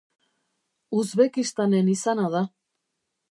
Uzbekistanen izana da.